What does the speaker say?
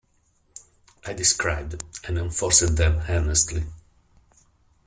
I described, and enforced them earnestly.